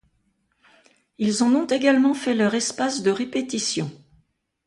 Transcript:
Ils en ont également fait leur espace de répétition.